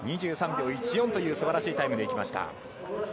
２３秒１４というタイムでいきました。